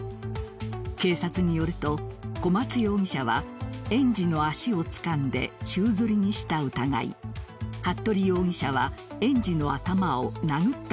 警察によると小松容疑者は園児の足をつかんで宙づりにした疑い服部容疑者は園児の頭を殴った